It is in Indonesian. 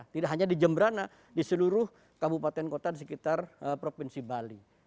tidak hanya di jemberana di seluruh kabupaten kota di sekitar provinsi bali